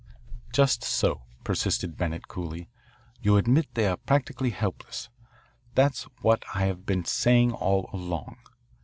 "Just so," persisted Bennett coolly. "You admit that we are practically helpless. That's what I have been saying all along.